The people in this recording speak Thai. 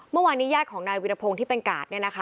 เมื่อวานี้ญาติของนายวิรพงษ์ที่เป็นกาศ